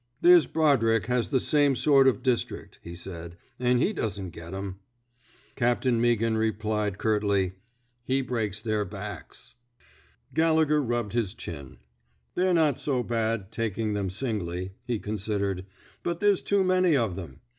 There's Brodrick has the same sort of dis trict," he said, and he doesn't get them." Captain Meaghan replied, curtly: He breaks their backs." 4 THE *^ BED INK SQUAD ^» Gallegher rubbed his chin. They're not so bad, taking them singly/' he considered, but there's too many of them.